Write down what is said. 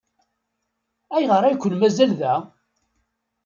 Ayɣer ay ken-mazal da?